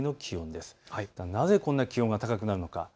ではなぜこんなに気温が高くなるのか。